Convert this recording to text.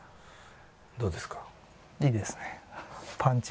どうですか？